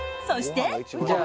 そして。